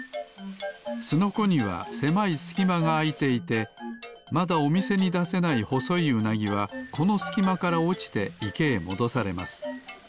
スノコにはせまいすきまがあいていてまだおみせにだせないほそいウナギはこのすきまからおちていけへもどされます。